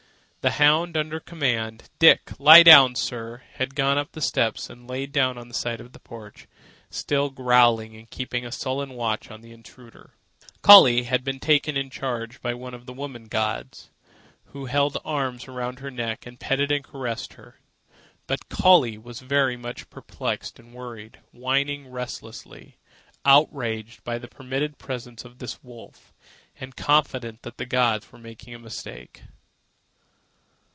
The hound, under the command, "Dick! Lie down, sir!" had gone up the steps and lain down to one side of the porch, still growling and keeping a sullen watch on the intruder. Collie had been taken in charge by one of the woman gods, who held arms around her neck and petted and caressed her; but Collie was very much perplexed and worried, whining and restless, outraged by the permitted presence of this wolf and confident that the gods were making a mistake.